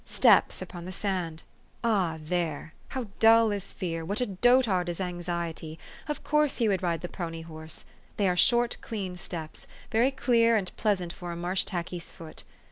Steps upon the sand. Ah, there ! How dull is fear ! what a dotard is anxiety ! Of course he would ride the pony home. They are short clean steps, very clear and pleasant for a marsh tackey's foot.